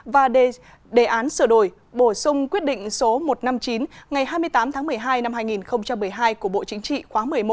và đề án sửa đổi bổ sung quyết định số một trăm năm mươi chín ngày hai mươi tám tháng một mươi hai năm hai nghìn một mươi hai của bộ chính trị khóa một mươi một